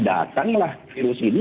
datanglah virus ini